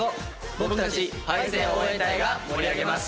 僕たちＰＡＩＳＥＮ応援隊が盛り上げます。